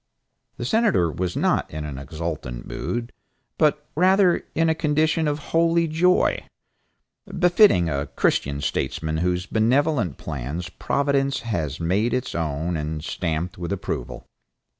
The Senator was not in an exultant mood, but rather in a condition of holy joy, befitting a Christian statesman whose benevolent plans Providence has made its own and stamped with approval.